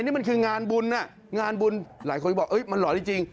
นี่คืงโงงบลน่ะหลายคนบอกเห้ยมันหลอนจริง